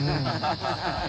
ハハハ